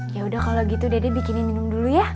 yaudah kalau gitu dede bikinin minum dulu ya